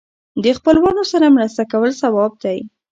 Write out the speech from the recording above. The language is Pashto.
د خپلوانو سره مرسته کول ثواب دی.